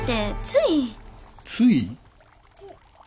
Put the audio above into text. つい？